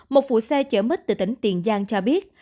một phụ xe chở mít từ tỉnh tiền giang cho biết